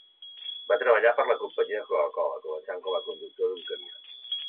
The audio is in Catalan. Va treballar per a la companyia de Coca-Cola, començant com a conductor d'un camió.